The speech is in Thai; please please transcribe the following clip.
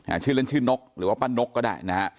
ชื่อเล่นชื่อนกหรือว่าป้านกก็ได้นะฮะ